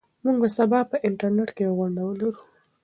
موږ به سبا په انټرنيټ کې یوه غونډه ولرو.